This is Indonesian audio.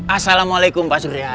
assalamualaikum pasur ya